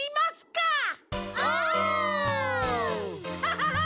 ハハハッ！